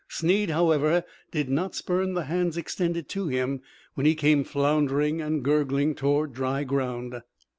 Snead, however, did not spurn the hands extended to him when he came floundering and gurgling toward dry ground.